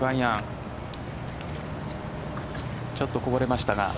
ちょっとこぼれましたが。